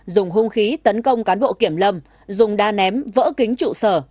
dùng hung khí tấn công cán bộ kiểm lâm dùng đa ném vỡ kính trụ sở